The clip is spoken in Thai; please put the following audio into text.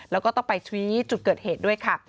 แล้วก็ต้องไปชี้จุดเกิดเหตุด้วยค่ะ